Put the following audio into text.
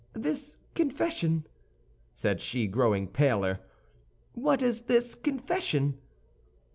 "This confession," said she, growing paler, "what is this confession?"